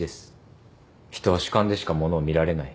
人は主観でしかものを見られない。